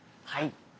はい。